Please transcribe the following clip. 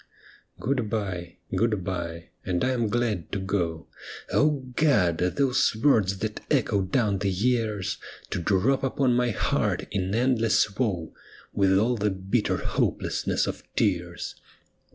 ' Good bye,' ' Good bye,' ' and I am glad to go,' O God ! those words that echo down the years, To drop upon my heart in endless woe. With all the bitter hopelessness of tears.